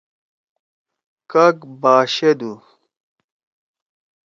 کاگ باشَدُو۔